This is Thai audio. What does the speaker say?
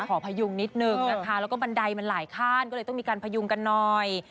พยุงนิดนึงนะคะแล้วก็บันไดมันหลายขั้นก็เลยต้องมีการพยุงกันหน่อย